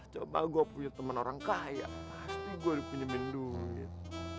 coba gua punya temen orang kaya pasti gua dipinjemin duit